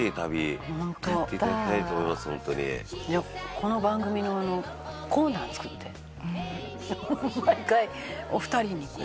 「この番組のコーナー作って毎回お二人に」